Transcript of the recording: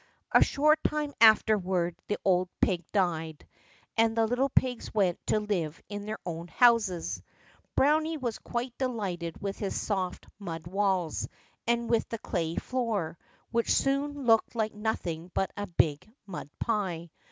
A short time afterward the old pig died, and the little pigs went to live in their own houses. Browny was quite delighted with his soft mud walls and with the clay floor, which soon looked like nothing but a big mud pie.